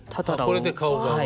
これで顔が動く。